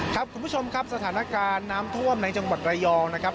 ครับคุณผู้ชมครับสถานการณ์น้ำท่วมในจังหวัดระยองนะครับ